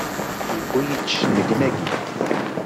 Yewwi-yi-d cennegnagi!